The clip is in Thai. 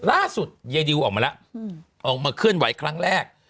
ยายดิวออกมาแล้วออกมาเคลื่อนไหวครั้งแรก